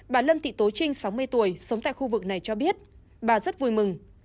bà lâm thị tố trinh sáu mươi tuổi sống tại khu vực này cho biết bà rất vui mừng